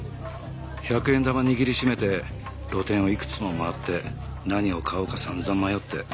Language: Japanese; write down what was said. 百円玉握り締めて露店をいくつも回って何を買おうか散々迷って。